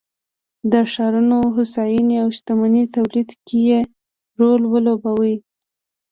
د ښارونو هوساینې او شتمنۍ تولید کې یې رول ولوباوه